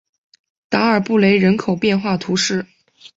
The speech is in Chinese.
达尔布雷人口变化图示